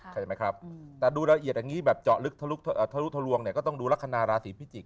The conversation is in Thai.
แต่ดูละเอียดแบบนี้แบบเจาะลึกทะลุกทะลวงเนี่ยก็ต้องดูลักษณะราศรีพิจิก